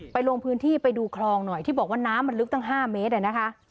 ลงพื้นที่ไปดูคลองหน่อยที่บอกว่าน้ำมันลึกตั้ง๕เมตรนะคะ